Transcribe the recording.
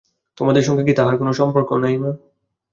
তোমাদের সঙ্গে কি তাহার কোন সম্পর্ক নাই মা?